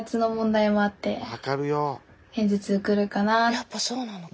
やっぱそうなのか。